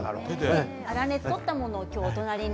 粗熱を取ったものをお隣に。